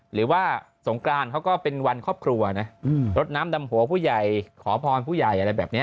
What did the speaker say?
หรือว่าสงกรานเขาก็เป็นวันครอบครัวนะรดน้ำดำหัวผู้ใหญ่ขอพรผู้ใหญ่อะไรแบบนี้